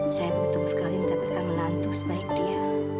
saya beruntung sekali mendapatkan menantu sebaik dia